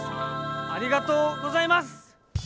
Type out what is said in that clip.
ありがとうございます！